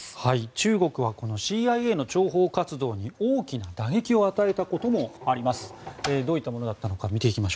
中国はこのＣＩＡの諜報活動に大きな打撃を与えたこともあります。